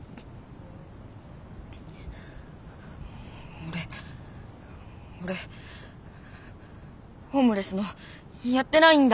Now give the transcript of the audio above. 俺俺ホームレスのやってないんだ！